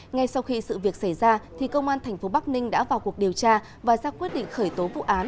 ngay sau khi sự việc xảy ra công an tp bắc ninh đã vào cuộc điều tra và ra quyết định khởi tố vụ án